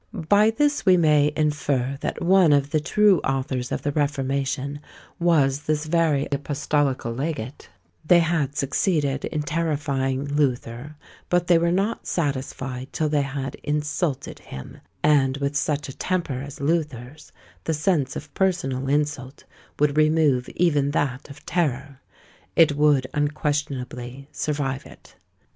By this we may infer that one of the true authors of the reformation was this very apostolical legate; they had succeeded in terrifying Luther; but they were not satisfied till they had insulted him; and with such a temper as Luther's, the sense of personal insult would remove even that of terror; it would unquestionably survive it.